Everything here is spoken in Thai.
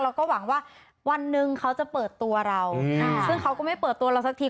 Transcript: เราก็หวังว่าวันหนึ่งเขาจะเปิดตัวเราซึ่งเขาก็ไม่เปิดตัวเราสักที